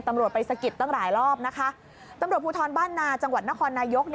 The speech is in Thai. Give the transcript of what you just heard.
ตำรวจไปสะกิดตั้งหลายรอบนะคะตำรวจภูทรบ้านนาจังหวัดนครนายก